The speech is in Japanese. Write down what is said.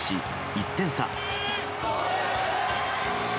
１点差。